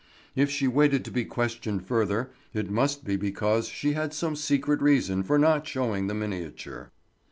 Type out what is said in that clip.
If she waited to be questioned further it must be because she had some secret reason for not showing the miniature.